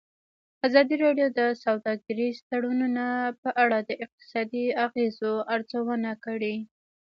ازادي راډیو د سوداګریز تړونونه په اړه د اقتصادي اغېزو ارزونه کړې.